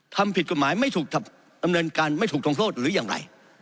ทำผิดกฎหมายไม่ถูกดำเนินการไม่ถูกตรงโทษหรืออย่างไร